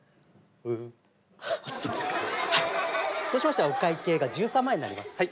そうしましたらお会計が１３万円になります。